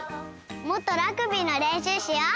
もっとラグビーのれんしゅうしよう！